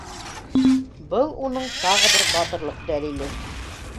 Был уның тағы бер батырлыҡ дәлиле.